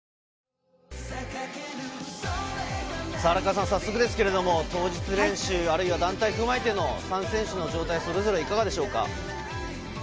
荒川さん、早速ですけれども当日練習、あるいは団体を踏まえての３選手の状態、それぞれいかがでしょうか。